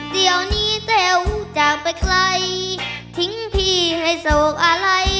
เดี๋ยวนี้แต๋วจากไปไกลทิ้งพี่ให้โศกอะไร